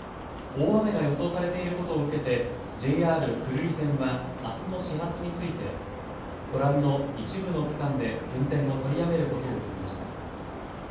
大雨が予想されていることを受けてＪＲ久留里線はあすの始発についてご覧の一部の区間で運転を取りやめることを決めました。